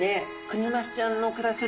クニマスちゃんの暮らす